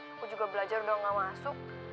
aku juga belajar dong gak masuk